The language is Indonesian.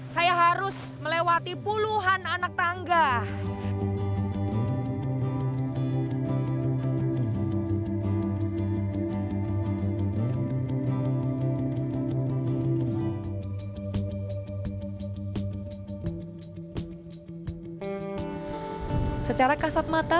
saya harus melewati puluhan anak tangga